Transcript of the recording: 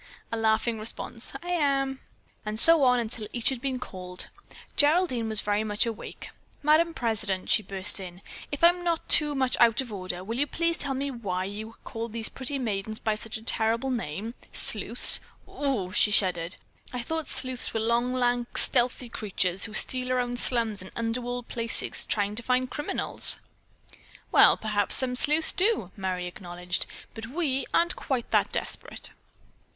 A laughing response: "I am!" And so on until each had been called. Geraldine was very much awake. "Madame President," she burst in, "if I'm not too much out of order, will you please tell me why you call these pretty maidens by such a terrible name? Sleuths! Ohoo!" she shuddered. "I thought sleuths were long, lank, stealthy creatures who steal around slums and underworld places trying to find criminals." "Well, perhaps some sleuths do," Merry acknowledged, "but we aren't quite that desperate."